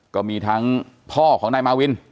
ก็มีทั้งพ่อของนายมาวิน